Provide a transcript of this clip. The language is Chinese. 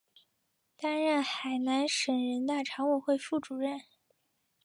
担任海南省人大常委会副主任。